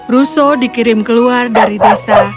russo dikirim keluar dari desa